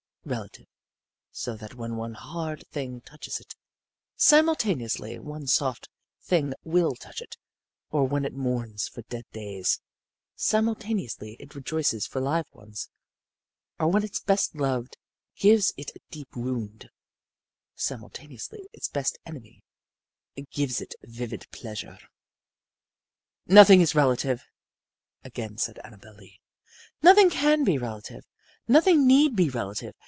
relative, so that when one hard thing touches it, simultaneously one soft thing will touch it; or when it mourns for dead days, simultaneously it rejoices for live ones; or when its best loved gives it a deep wound, simultaneously its best enemy gives it vivid pleasure." "Nothing is relative," again said Annabel Lee. "Nothing can be relative. Nothing need be relative.